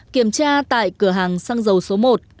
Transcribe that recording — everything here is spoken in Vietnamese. kiểm tra tại cửa hàng xăng dầu số một